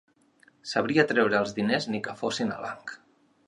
Sabia treure'ls diners ni que fossin al banc